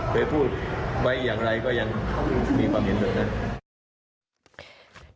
เผยพูดวัยอย่างไรก็ยังมีความเห็นเหลือเท่านั้น